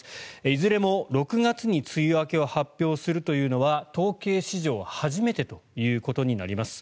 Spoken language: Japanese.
いずれも６月に梅雨明けを発表するというのは統計史上初めてということになります。